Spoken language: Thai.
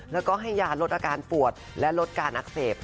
แล้วก็ให้ยาลดอาการปวดและลดการอักเสบ